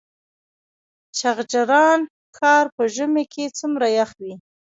چغچران ښار په ژمي کې څومره یخ وي؟